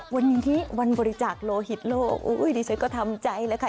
วันนี้ที่วันบริจาคโลหิตโลกอุ้ยดิฉันก็ทำใจแล้วค่ะ